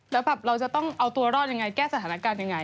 แล้วแบบเราจะต้องเอาตัวรอดยังไงแก้สถานการณ์ยังไง